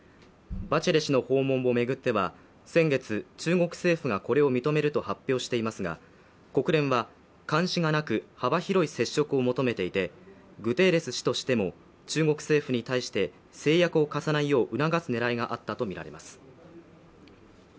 バチェレ氏の訪問を巡っては先月、中国政府がこれを認めると発表していますが、国連は、監視がなく幅広い接触を求めていてグテーレス氏としても中国政府に対して制約を課さないよう促す狙いがあったとみられます。